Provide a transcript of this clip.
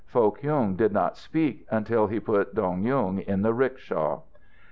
Foh Kyung did not speak until he put Dong Yung in the rickshaw.